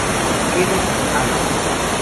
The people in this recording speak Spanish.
Kennedy, Alan.